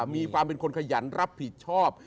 มีความเป็นคนขยันรับผิดชอบ